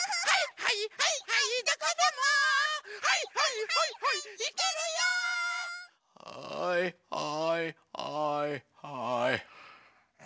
「はいはいはいはい」